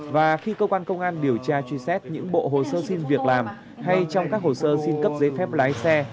và khi cơ quan công an điều tra truy xét những bộ hồ sơ xin việc làm hay trong các hồ sơ xin cấp giấy phép lái xe